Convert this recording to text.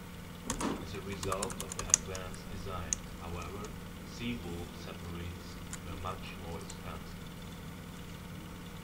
As a result of their advanced design, however, "Seawolf" submarines were much more expensive.